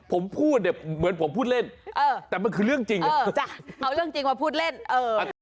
ผมพูดเนี่ยเหมือนผมพูดเล่นเออแต่มันคือเรื่องจริงเอาเรื่องจริงมาพูดเล่นเออ